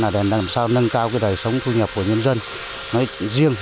để làm sao nâng cao đời sống thu nhập của nhân dân riêng